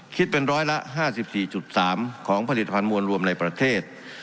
คิดเป็นร้อยละ๕๔๓ของผลิตภัณฑ์มวลรวมในประเทศ